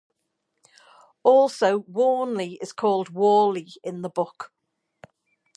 Also, Warnley is called Warley in the book.